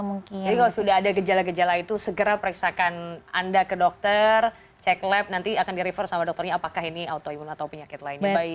jadi kalau sudah ada gejala gejala itu segera periksakan anda ke dokter cek lab nanti akan di refer sama dokternya apakah ini autoimun atau penyakit lain